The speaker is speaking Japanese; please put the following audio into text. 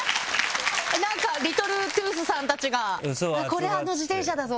なんかリトルトゥースさんたちが「これあの自転車だぞ」